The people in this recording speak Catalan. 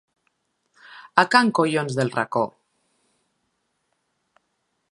A can collons del racó.